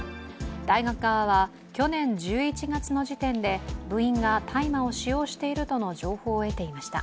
大学側は去年１１月の時点で部員が大麻を使用しているとの情報を得ていました。